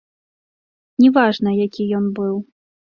Не важна, які ён быў.